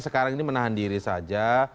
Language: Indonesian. sekarang ini menahan diri saja